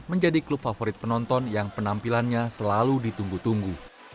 menjadi klub favorit penonton yang penampilannya selalu ditunggu tunggu